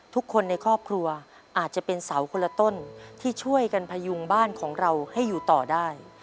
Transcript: ทุกคนในครอบครัวอาจจะเป็นเสาคนละต้นที่ช่วยกันพยุงบ้านของเราให้อยู่ต่อได้